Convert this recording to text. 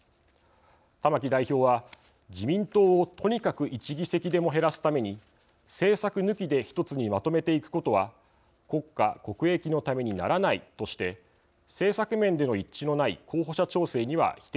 玉木代表は自民党をとにかく１議席でも減らすために政策抜きで一つにまとめていくことは国家・国益のためにならないとして政策面での一致のない候補者調整には否定的です。